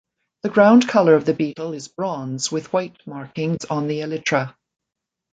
The ground colour of the beetle is bronze with white markings on the elytra.